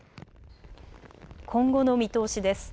今後の見通しです。